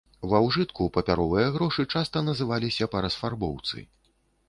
Ва ўжытку папяровыя грошы часта называліся па расфарбоўцы.